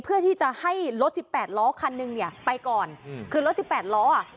เพื่อที่จะให้รถสิบแปดล้อคันหนึ่งเนี่ยไปก่อนอืมคือรถสิบแปดล้ออ่ะ